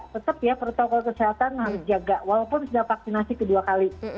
tetap ya protokol kesehatan harus jaga walaupun sudah vaksinasi kedua kali